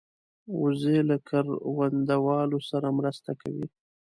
وزې له کروندهوالو سره مرسته کوي